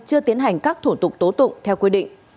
chưa tiến hành các thủ tục tố tụng theo quy định